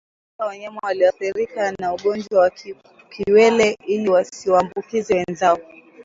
Tenga wanyama walioathirika na ugonjwa wa kiwele ili wasiwaambukize wenzao